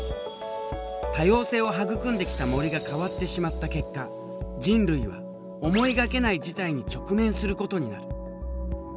多様性を育んできた森が変わってしまった結果人類は思いがけない事態に直面することになる。